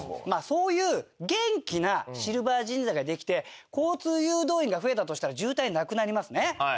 まあそういう元気なシルバー人材ができて交通誘導員が増えたとしたら渋滞なくなりますね。